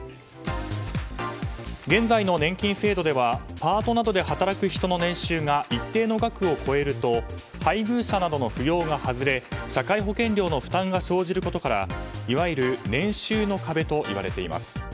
現在の年金制度ではパートなどで働く人の年収が一定の額を超えると配偶者などの扶養が外れ社会保険料の負担が生じることからいわゆる年収の壁といわれています。